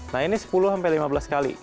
nah ini sepuluh sampai lima belas kali